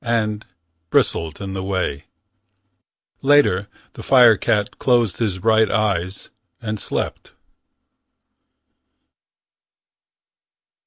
And Bristled in the way. Later, the firecat closed his bright eyes And slept.